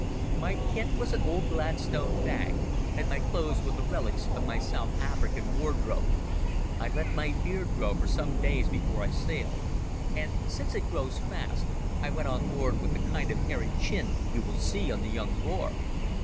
My kit was an old Gladstone bag, and my clothes were the relics of my South African wardrobe. I let my beard grow for some days before I sailed, and, since it grows fast, I went on board with the kind of hairy chin you will see on the young Boer.